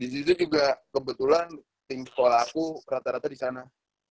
disitu juga kebetulan team school aku rata rata disana